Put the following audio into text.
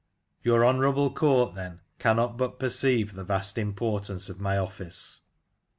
Your honourable court, then, cannot but perceive the vast importance of my office.